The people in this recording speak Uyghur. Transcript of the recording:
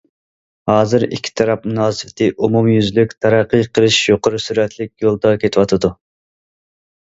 ھازىر ئىككى تەرەپ مۇناسىۋىتى ئومۇميۈزلۈك تەرەققىي قىلىش يۇقىرى سۈرئەتلىك يولىدا كېتىۋاتىدۇ.